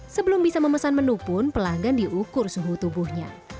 sebelum bisa memesan menu pun pelanggan diukur suhu tubuhnya